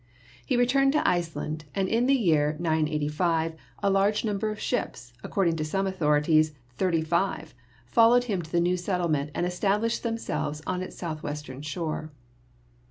He returned to Iceland, and in the year 985 a large 26 GEOLOGY number of ships — according to some authorities, thirty five — followed him to the new settlement and established themselves on its southwestern shore.